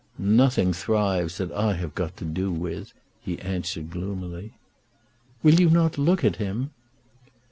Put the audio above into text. "Nothing thrives that I have to do with," he answered gloomily. "Will you not look at him?"